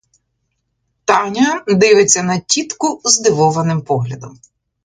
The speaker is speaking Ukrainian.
Таня дивиться на тітку здивованим поглядом.